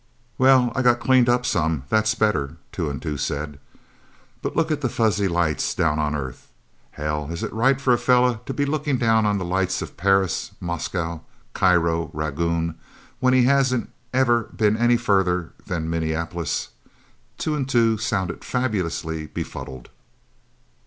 "Well I got cleaned up, some that's better," Two and Two said. "But look at the fuzzy lights down on Earth. Hell, is it right for a fella to be looking down on the lights of Paris, Moscow, Cairo, and Rangoon when he hasn't ever been any farther than Minneapolis?" Two and Two sounded fabulously befuddled.